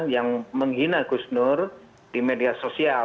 yang menghina gus nur di media sosial